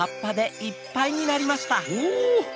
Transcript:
お！